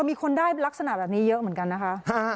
มีคนได้ลักษณะแบบนี้เยอะเหมือนกันนะคะ